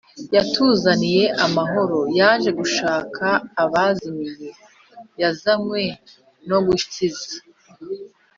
Yatuzaniye amahoro, Yaje gushak' abazimiye, Yazany we no gukiza.